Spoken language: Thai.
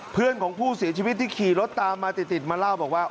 เพื่อนของผู้เสียชีวิตที่ขี่รถตามมาติดมาเล่าบอกว่า